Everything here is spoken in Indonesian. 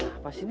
apa sih ini